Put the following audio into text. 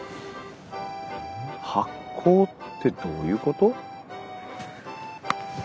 発酵ってどういうこと？